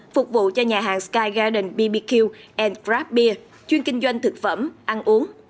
phục vụ cho nhà hàng sky garden bbq crab beer chuyên kinh doanh thực phẩm ăn uống